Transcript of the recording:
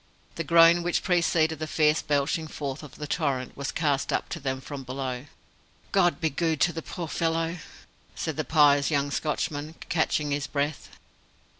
The groan which preceded the fierce belching forth of the torrent was cast up to them from below. "God be gude to the puir felly!" said the pious young Scotchman, catching his breath.